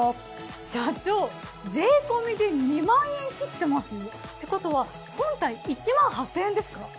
社長税込で２０，０００円切ってます？ってことは本体１８，０００円ですか？